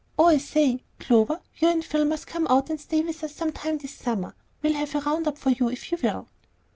Oh, I say, Clover, you and Phil must come out and stay with us sometime this summer. We'll have a round up for you if you will."